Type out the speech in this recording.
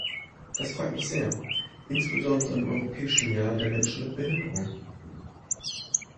Das freut mich sehr, insbesondere im Europäischen Jahr der Menschen mit Behinderungen.